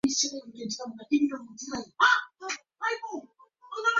True endomitosis in the anther tapetum of the liliaceous plant Eremurus is described.